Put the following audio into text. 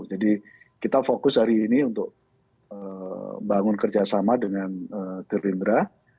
jadi kita fokus hari ini untuk membangun kerjasama dengan dirindra